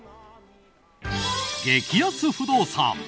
激安不動産！